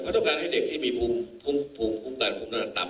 มันต้องให้เด็กที่มีภูมินูธรรมน่าต่ำเลย